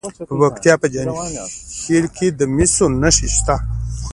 د پکتیا په جاني خیل کې د مسو نښې شته.